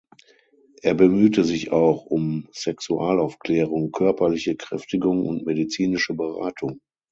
Er bemühte sich auch um Sexualaufklärung, körperliche Kräftigung und medizinische Beratung.